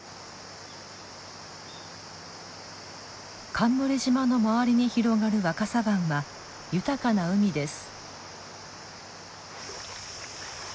冠島の周りに広がる若狭湾は豊かな海です。